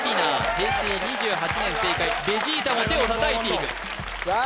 平成２８年正解ベジータも手を叩いているさあ